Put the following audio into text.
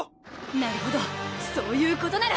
なるほどそういうことなら！